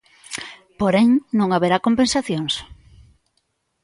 Porén, non haberá compensacións.